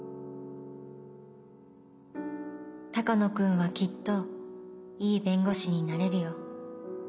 鷹野君はきっといい弁護士になれるよ。